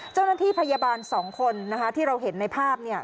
เจ้าหน้าที่พยาบาลสองคนนะคะที่เราเห็นในภาพ